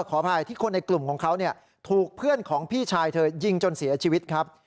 ขออภัยที่คนในกลุ่มของเขาถูกเพื่อนของพี่ชายเธอยิงจนเสียชีวิตครับ